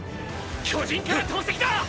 巨人から投石だ！！